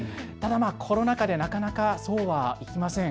コロナ禍でなかなかそうはいきません。